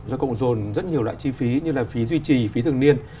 do cộng dồn rất nhiều loại chi phí như là phí duy trì phí thường niên